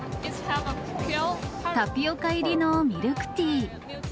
タピオカ入りのミルクティー。